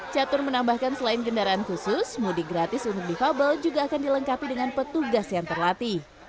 catur menambahkan selain kendaraan khusus mudik gratis untuk difabel juga akan dilengkapi dengan petugas yang terlatih